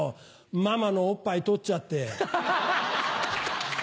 ママのおっぱい取っちゃって。